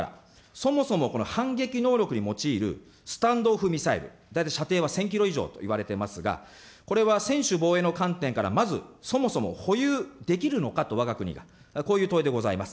そもそもこれ、反撃能力に用いるスタンド・オフ・ミサイル、大体射程は１０００キロ以上といわれていますが、これは専守防衛の観点から、まず、そもそも保有できるのかと、わが国が、こういう問いでございます。